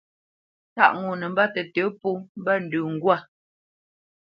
Tâʼ ŋo nə mbə́ tətə̌ pó mbə́ ndə ŋgwâ.